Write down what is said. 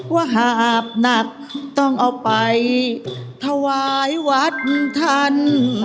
ว่าหาบหนักต้องเอาไปถวายวัดท่าน